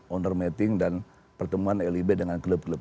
owner meeting dan pertemuan lib dengan klub klub